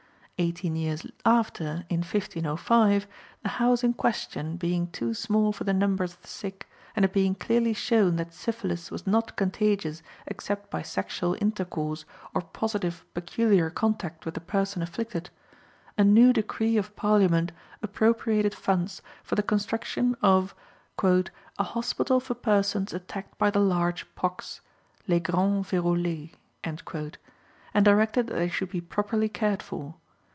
Eighteen years after, in 1505, the house in question being too small for the numbers of the sick, and it being clearly shown that syphilis was not contagious except by sexual intercourse or positive peculiar contact with the person afflicted, a new decree of Parliament appropriated funds for the construction of "a hospital for persons attacked by the large pox (les grands vérolés)," and directed that they should be properly cared for.